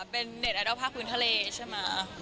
เป็นเด็ดแอดอัลพักษ์พื้นทะเลใช่มะ